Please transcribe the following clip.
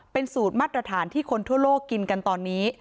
เป็นสูตรมาตรฐานที่คนทั่วโลกกินกันตอนนี้